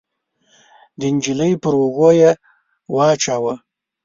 د نجلۍ پر اوږو يې واچاوه.